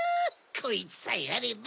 こいつさえあれば。